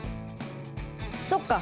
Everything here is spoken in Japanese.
そっか。